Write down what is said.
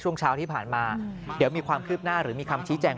ช่วงเช้าที่ผ่านมาเดี๋ยวมีความคืบหน้าหรือมีคำชี้แจง